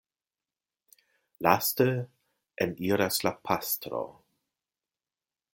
Laste eniras la pastro.